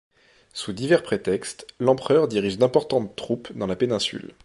Sous divers prétextes, l'Empereur dirige d'importantes troupes dans la péninsule.